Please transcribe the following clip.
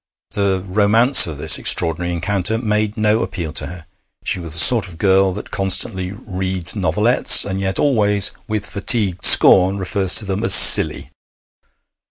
The romance of this extraordinary encounter made no appeal to her. She was the sort of girl that constantly reads novelettes, and yet always, with fatigued scorn, refers to them as 'silly.'